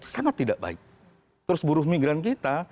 sangat tidak baik terus buruh migran kita